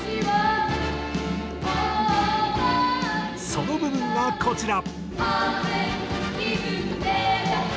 その部分がこちら。